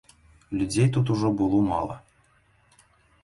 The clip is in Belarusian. Людзей тут ужо было мала.